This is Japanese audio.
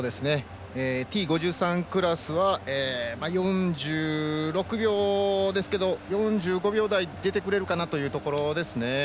Ｔ５３クラスは４６秒ですけど、４５秒台が出てくれるかなというところですね。